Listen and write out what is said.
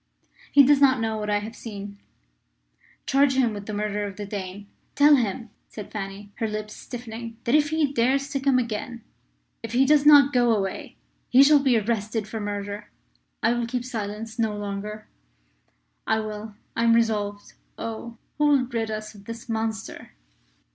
"He does not know what I have seen. Charge him with the murder of the Dane. Tell him," said Fanny, her lips stiffening, "that if he dares to come again if he does not go away he shall be arrested for murder. I will keep silence no longer!" "I will I am resolved! Oh! who will rid us of this monster?"